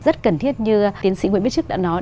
rất cần thiết như tiến sĩ nguyễn bích trức đã nói